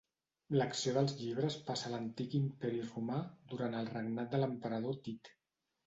L'acció dels llibres passa a l'antic Imperi Romà durant el regnat de l'emperador Tit.